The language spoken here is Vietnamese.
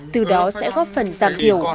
từ đó sẽ góp phần giảm hiểu